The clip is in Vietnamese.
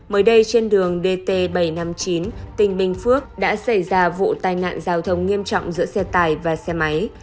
mới đây trên đường dt bảy trăm năm mươi chín tỉnh bình phước đã xảy ra vụ tai nạn giao thông nghiêm trọng giữa xe tài và xe máy